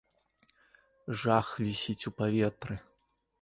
Жах вісіць у паветры.